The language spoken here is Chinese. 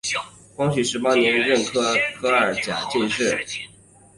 光绪十八年壬辰科二甲进士。